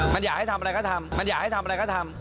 มันอยากให้ทำอะไรก็ทำ